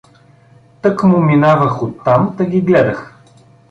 Тъкмо минавах оттам, та ги гледах.